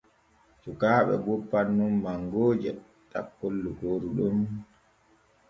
Cukaaɓe boppan nun mangooje takkol lokooru ɗon.